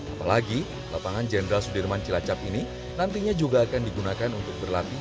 apalagi lapangan jenderal sudirman cilacap ini nantinya juga akan digunakan untuk berlatih